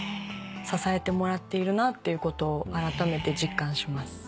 支えてもらっているなっていうことをあらためて実感します。